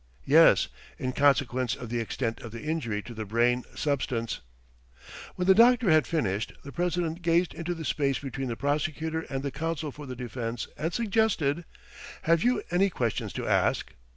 "Yes, in consequence of the extent of the injury to the brain substance. ..." When the doctor had finished, the president gazed into the space between the prosecutor and the counsel for the defence and suggested: "Have you any questions to ask?"